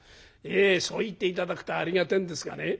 そう言って頂くとありがたいんですがね